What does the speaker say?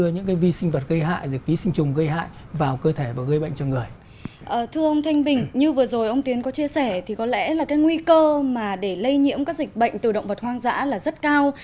như vừa rồi ông tiến có chia sẻ thì có lẽ là cái nguy cơ mà để lây nhiễm các dịch bệnh từ động vật hoang dã là rất cao